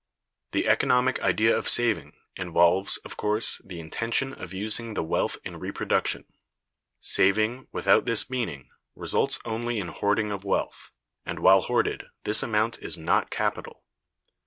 The economic idea of saving involves, of course, the intention of using the wealth in reproduction. Saving, without this meaning, results only in hoarding of wealth, and while hoarded this amount is not capital.